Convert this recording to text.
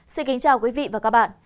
xin kính chào quý vị và các bạn